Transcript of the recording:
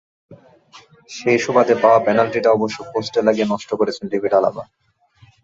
সেই সুবাদে পাওয়া পেনাল্টিটা অবশ্য পোস্টে লাগিয়ে নষ্ট করেছেন ডেভিড আলাবা।